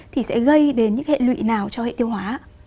thì sẽ gây đến những hệ lụy nào cho hệ tiêu hóa